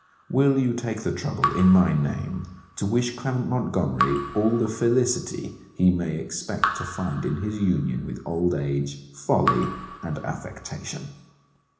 Will you take the trouble, in my name, to wish Clement Montgomery all the felicity he may expect to find in his union with old age, folly, and affectation?